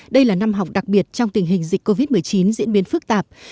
đây là năm học đặc biệt trong tình hình dịch covid một mươi chín diễn biến phức tạp